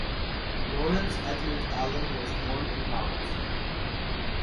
Laurence Edmund Allen was born in Mt.